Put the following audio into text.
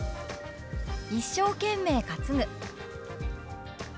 「一生懸命担ぐ」。